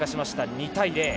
２対０。